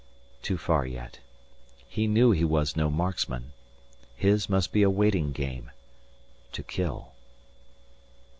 Too far yet. He knew he was no marksman. His must be a waiting game to kill.